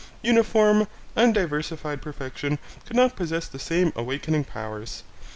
Uniform, undiversified perfection could not possess the same awakening powers.